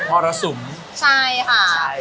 มรสุมใช่ค่ะใช่